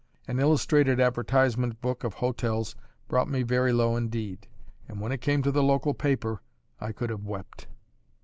An illustrated advertisement book of hotels brought me very low indeed; and when it came to the local paper, I could have wept.